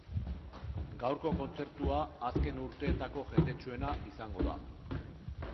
Gaurko kontzertua azken urteetako jendetsuena izango da.